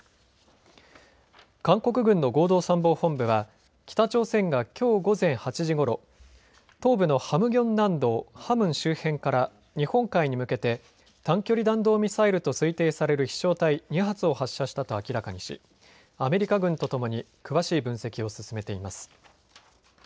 韓国軍の合同参謀本部は北朝鮮がきょう午前８時ごろ、東部のハムギョン南道ハムン周辺から日本海に向けて短距離弾道ミサイルと推定される飛しょう体２発を発射したと明らかにしアメリカ軍とともに詳しい分析を進めています。